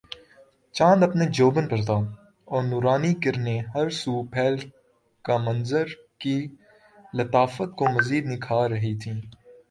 چاند اپنے جوبن پر تھا اور نورانی کرنیں ہر سو پھیل کر منظر کی لطافت کو مزید نکھار رہی تھیں